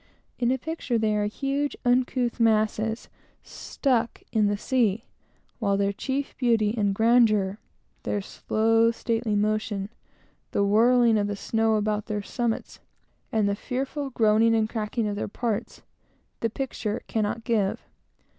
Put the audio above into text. In a picture, they are huge, uncouth masses, stuck in the sea, while their chief beauty and grandeur, their slow, stately motion; the whirling of the snow about their summits, and the fearful groaning and cracking of their parts, the picture cannot give.